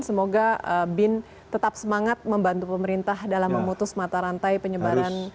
semoga bin tetap semangat membantu pemerintah dalam memutus mata rantai penyebaran